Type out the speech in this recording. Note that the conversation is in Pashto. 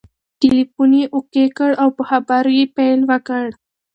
ټلیفون یې اوکې کړ او په خبرو یې پیل وکړ.